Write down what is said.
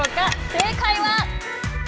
正解は？